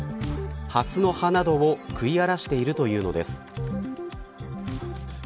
ハスの葉などを食い荒らしているというのです。